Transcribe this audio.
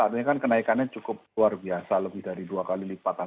artinya kan kenaikannya cukup luar biasa lebih dari dua kali lipat